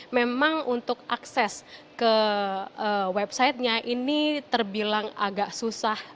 memang untuk akses ke websitenya ini terbilang agak susah